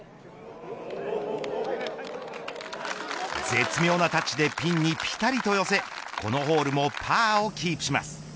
絶妙なタッチでピンにぴたりと寄せこのホールもパーをキープします。